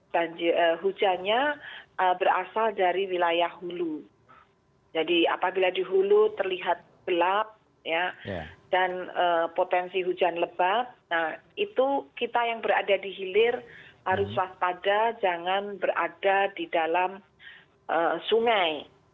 dan hujannya berasal dari wilayah hulu jadi apabila di hulu terlihat gelap dan potensi hujan lebat itu kita yang berada di hilir harus waspada jangan berada di dalam sungai